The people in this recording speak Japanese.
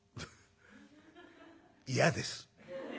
「嫌です。